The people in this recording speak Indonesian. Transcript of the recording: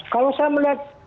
kalau saya melihat